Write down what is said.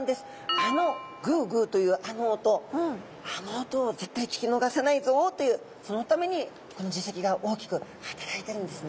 あのグゥグゥというあの音あの音を絶対聞き逃さないぞというそのためにこの耳石が大きく働いているんですね。